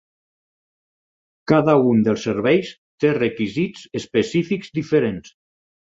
Cada un dels serveis té requisits específics diferents.